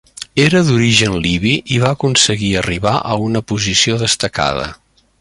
Era d'origen libi i va aconseguir arribar a una posició destacada.